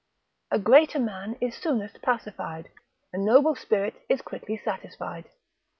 A greater man is soonest pacified, A noble spirit quickly satisfied.